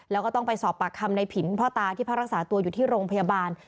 แล้วก็ต้องไปสอบปากคำในผินพ่อตาที่พักรักษาตัวอยู่ที่โรงพยาบาล